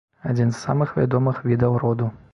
Адзін з самых вядомых відаў роду.